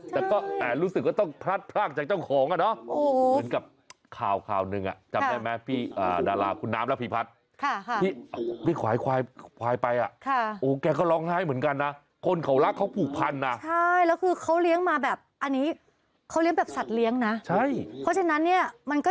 แต่ก็รู้สึกว่าต้องพลาดพลากจากน้องหงอ่ะเนาะ